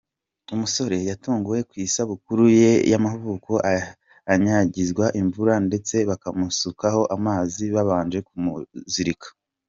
Umusore yatunguwe ku isabukuru ye yamavuko anyagizwa imvura ndetse bakamusukaho amazi babanje kumuzirika .